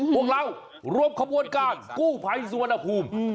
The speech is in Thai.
พวกเรารวมกับรวมการกู้ภายส่วนภูมิ